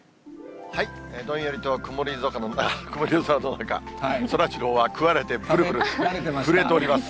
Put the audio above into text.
どんよりと曇り空の中、そらジローは食われてぷるぷる震えております。